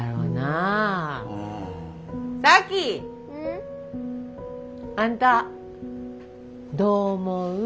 ん？あんたどう思う？